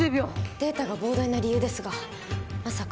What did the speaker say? データが膨大な理由ですがまさか。